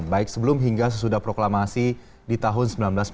baik sebelum hingga sesudah proklamasi di tahun seribu sembilan ratus empat puluh lima